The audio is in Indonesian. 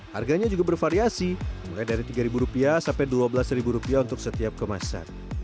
harganya juga bervariasi mulai dari tiga ribu rupiah sampai dua belas ribu rupiah untuk setiap kemasan